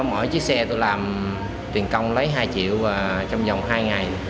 mỗi chiếc xe tôi làm tuyển công lấy hai triệu trong vòng hai ngày